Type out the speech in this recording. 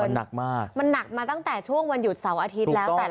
มันหนักมากมันหนักมาตั้งแต่ช่วงวันหยุดเสาร์อาทิตย์แล้วแต่